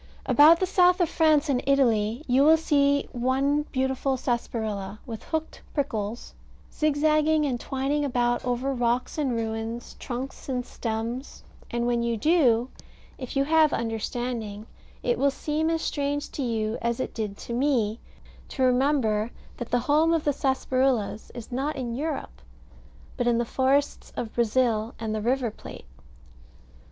About the south of France and Italy you will see one beautiful sarsaparilla, with hooked prickles, zigzagging and twining about over rocks and ruins, trunks and stems: and when you do, if you have understanding, it will seem as strange to you as it did to me to remember that the home of the sarsaparillas is not in Europe, but in the forests of Brazil, and the River Plate.